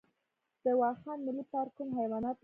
د واخان ملي پارک کوم حیوانات لري؟